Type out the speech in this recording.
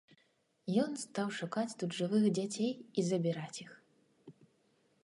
Ён стаў шукаць тут жывых дзяцей і забіраць іх.